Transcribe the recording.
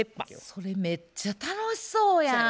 それめっちゃ楽しそうやん。